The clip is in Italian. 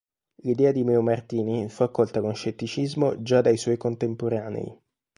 L'idea di Meomartini fu accolta con scetticismo già dai suoi contemporanei.